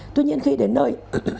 tuy nhiên khi đến nơi